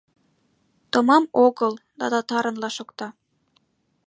Томам огыл да татарынла шокта.